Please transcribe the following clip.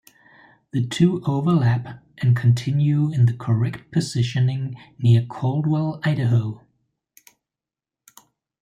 The two overlap and continue in the "correct" positioning near Caldwell, Idaho.